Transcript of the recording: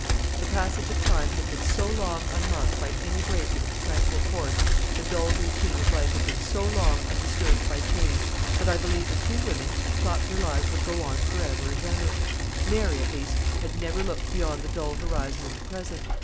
The passage of time had been so long unmarked by any break in its tranquil course, the dull routine of life had been so long undisturbed by change, that I believe the two women thought their lives would go on for ever and ever. Mary, at least, had never looked beyond the dull horizon of the present.